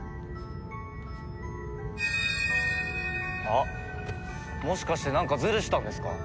あっもしかしてなんかズルしたんですか？